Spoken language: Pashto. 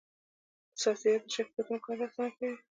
دا سافټویر د شرکت کارونه اسانه کوي.